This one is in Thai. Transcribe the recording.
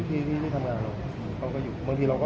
ตอนนี้ผมเองก็ไม่ได้ห่วงเพราะว่าปกติก็ห่วง